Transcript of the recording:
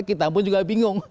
kita pun juga bingung